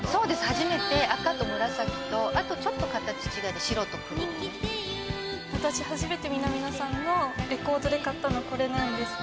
初めて赤と紫とあとちょっと形違いで白と黒をね私初めて南野さんのレコードで買ったのこれなんです